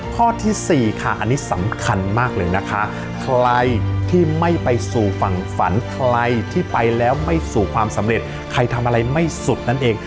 ข้อที่สี่ค่ะอันนี้สำคัญมากเลยนะคะใครที่ไม่ไปสู่ฝั่งฝันใครที่ไปแล้วไม่สู่ความสำเร็จใครทำอะไรไม่สุดนั่นเอง